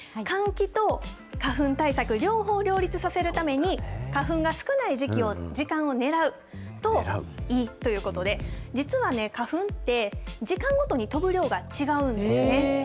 換気と花粉対策、両方両立させるために、花粉が少ない時期を、時間を狙うと、いいということで、実は花粉って時間ごとに飛ぶ量が違うんですね。